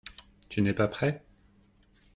Tu n’es pas prêt ?